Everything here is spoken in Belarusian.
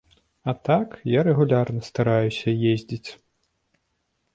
А так, я рэгулярна стараюся ездзіць.